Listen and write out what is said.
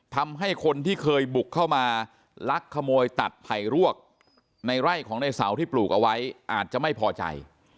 ทำให้คนที่เคยบุกเข้ามาลักขโมยตัดไผ่รวกในไร่ของในเสาที่ปลูกเอาไว้อาจจะไม่พอใจ